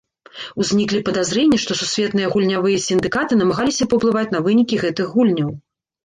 Узніклі падазрэнні, што сусветныя гульнявыя сіндыкаты намагаліся паўплываць на вынікі гэтых гульняў.